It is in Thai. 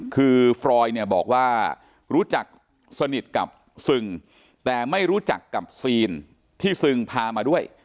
คือฟรอยเนี่ยบอกว่ารู้จักสนิทกับซึงแต่ไม่รู้จักกับซีนที่ซึงพามาด้วย